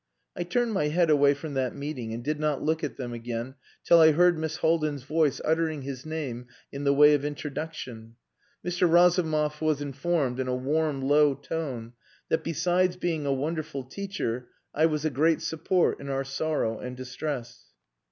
I turned my head away from that meeting, and did not look at them again till I heard Miss Haldin's voice uttering his name in the way of introduction. Mr. Razumov was informed, in a warm, low tone, that, besides being a wonderful teacher, I was a great support "in our sorrow and distress."